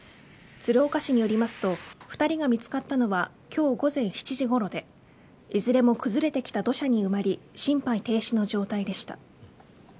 鶴岡市によりますと２人が見つかったのは今日午前７時ごろでいずれも崩れてきた土砂に埋まり心肺停止の状態でした。